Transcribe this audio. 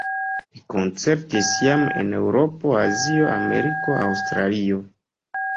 Li koncertis jam en Eŭropo, Azio, Ameriko, Aŭstralio.